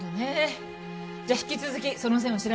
じゃあ引き続きその線を調べて。